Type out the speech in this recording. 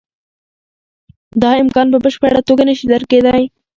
دا امکان په بشپړه توګه نشي رد کېدای.